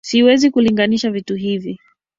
Siwezi kulinganisha vitu hivi